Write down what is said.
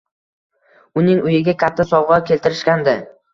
Uning uyiga katta sovg`a keltirishgandi